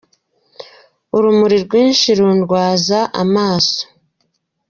Urumuri rwishi rundwaza amaso.